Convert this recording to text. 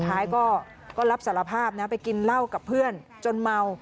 ท้ายก็รับสารภาพนะไปกินเหล้ากับเพื่อนจนเมา